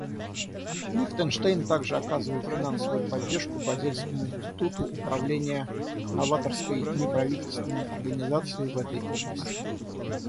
Лихтенштейн также оказывает финансовую поддержку Базельскому институту управления — новаторской неправительственной организации в этой области.